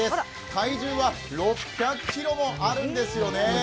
体重は６００ｋｇもあるんですよね。